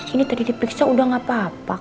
ini tadi di piksa udah gak apa apa